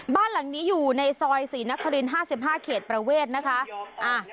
บ้านหลังนี้อยู่ในซอยศรีนคริน๕๕เขตประเวทนะคะ